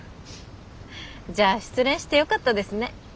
じゃあ失恋してよかったですね。